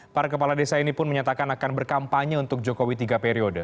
para kepala desa ini pun menyatakan akan berkampanye untuk jokowi tiga periode